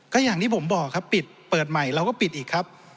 ก็อย่างที่ผมบอกครับปิดเปิดใหม่เราก็ปิดอีกครับ